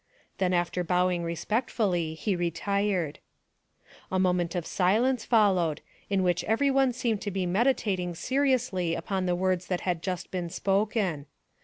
Then, after bowing respectfully, he retired. A moment of silence followed, in which every one seemed to be meditating seriously upon the words that had just been spoken.